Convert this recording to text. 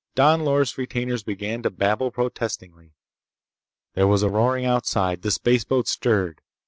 Don Loris' retainers began to babble protestingly. There was a roaring outside. The spaceboat stirred.